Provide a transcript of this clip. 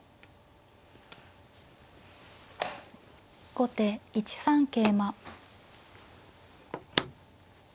後手１三桂馬。